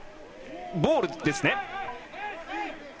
ボールですね。